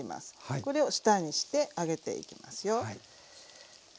これを下にして揚げていきますよ。